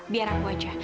biar aku aja